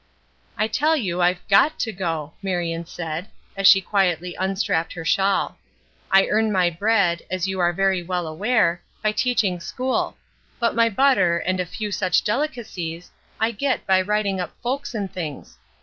"I tell you I've got to go," Marion said, as she quietly unstrapped her shawl. "I earn my bread, as you are very well aware, by teaching school; but my butter, and a few such delicacies, I get by writing up folks and things.